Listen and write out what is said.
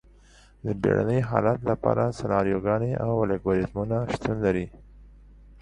د بیړني حالت لپاره سناریوګانې او الګوریتمونه شتون لري.